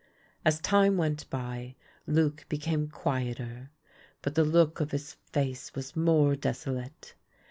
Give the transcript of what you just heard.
As time went by, Luc became quieter, but the look of his face was more desolate.